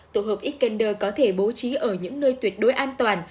tổ hợp ecander có thể bố trí ở những nơi tuyệt đối an toàn